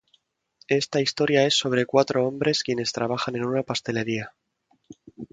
Esta historia es sobre cuatro hombres quienes trabajan en una pastelería.